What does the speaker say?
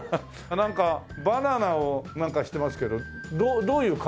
なんかバナナをなんかしてますけどどういう会議をやってるの？